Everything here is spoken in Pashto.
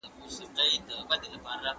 هر څوک باید له ځانه پیل کړي.